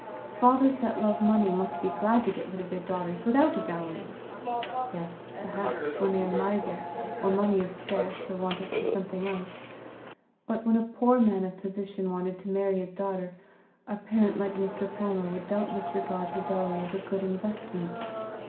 "Fathers that love money must be glad to get rid of their daughters without a. dowry!" "Yes, perhaps, when they are misers, or money is scarce, or wanted for something else. But when a poor man of position wanted to marry his daughter, a parent like Mr. Palmer would doubtless regard her dowry as a good investment.